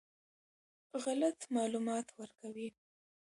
غلط معلومات ورکوي.